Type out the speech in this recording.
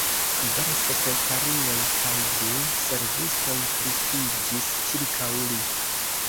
Kvar sekretarioj kaj du servistoj grupiĝis ĉirkaŭ li.